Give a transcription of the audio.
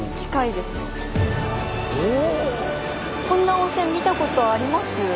こんな温泉見たことあります？